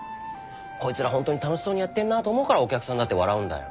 こいつらホントに楽しそうにやってんなと思うからお客さんだって笑うんだよ。